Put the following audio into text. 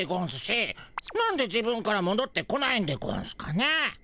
なんで自分からもどってこないんでゴンスかねえ。